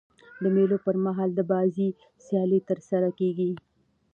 د مېلو پر مهال د بازۍ سیالۍ ترسره کیږي.